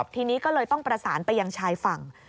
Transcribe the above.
ทีนี้ก็เลยต้องประสานไปยังชายฝั่ง